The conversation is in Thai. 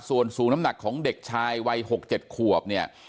ส่วนสูงน้ำหนักของเด็กชายวัย๖๗ขวบเนี่ย